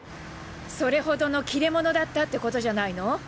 それほどの切れ者だったってことじゃないの？